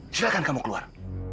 silahkan kamu keluar